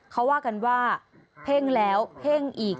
เขาว่ากันว่าเพ่งแล้วเพ่งอีก